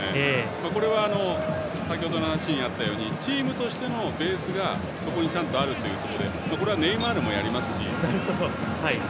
これは先ほどの話にあったようにチームとしてのベースがそこにちゃんとあるということでこれはネイマールもやりますし。